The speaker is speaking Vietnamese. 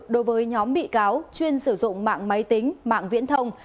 đối với nhóm bị cáo chuyên sử dụng mạng máy tính mạng viễn thông